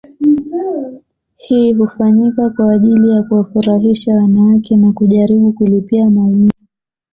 Hii hufanyika kwa ajili ya kuwafurahisha wanawake na kujaribu kulipia maumivu